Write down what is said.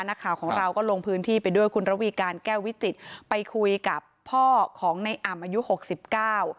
นักข่าวของเราก็ลงพื้นที่ไปด้วยคุณระวีการแก้ววิจิตรไปคุยกับพ่อของในอ่ำอายุหกสิบเก้า